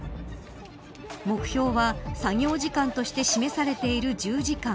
目標は作業時間として示されている１０時間。